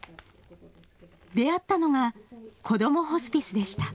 出会ったのがこどもホスピスでした。